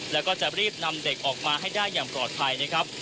แล้วก็จะรีบนำเด็กออกมาให้ได้อย่างปลอดภัยนะครับ